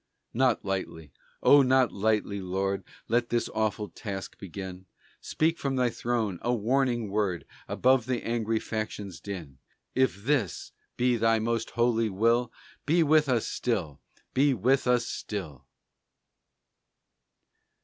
Not lightly, oh, not lightly, Lord, Let this our awful task begin; Speak from thy throne a warning word Above the angry factions' din. If this be thy Most Holy will, Be with us still, be with us still!